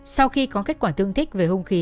sau khi có kết quả tương thích về hung khí